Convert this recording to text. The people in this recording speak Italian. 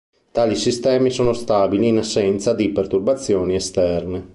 Tali sistemi sono stabili in assenza di perturbazioni esterne.